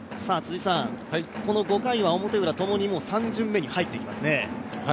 この５回は表ウラともに３巡目に入ってきますね。